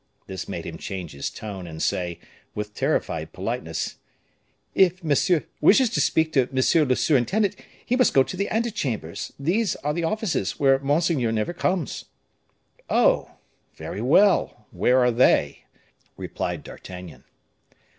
This made him change his tone, and say, with terrified politeness, "If monsieur wishes to speak to M. le surintendant, he must go to the ante chambers; these are the offices, where monseigneur never comes." "Oh! very well! Where are they?" replied D'Artagnan.